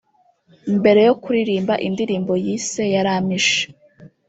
mbere yo kuririmba indirimbo yise yarampishe